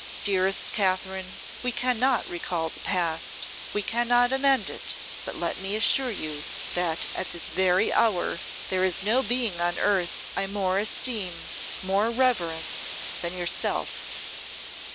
Dearest Katherine, we cannot recall the past, we cannot amend it; but let me assure you that at this very hour there is no being on earth I more esteem, more reverence than yourself.